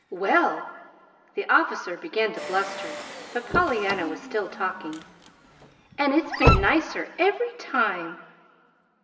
"Well!" the officer began to bluster; but Pollyanna was still talking. "And it's been nicer every time!"